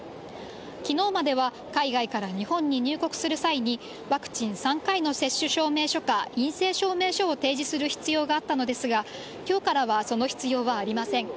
きのうまでは海外から日本に入国する際に、ワクチン３回の接種証明書か、陰性証明書を提示する必要があったのですが、きょうからはその必要はありません。